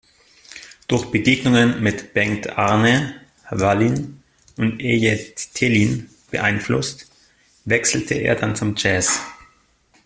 Durch Begegnungen mit Bengt-Arne Wallin und Eje Thelin beeinflusst, wechselte er dann zum Jazz.